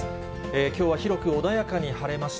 きょうは広く穏やかに晴れました。